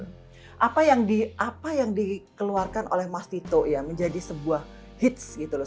nah apa yang dikeluarkan oleh mas tito ya menjadi sebuah hits gitu loh